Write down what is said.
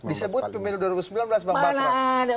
disebut pemilu dua ribu sembilan belas bang bagro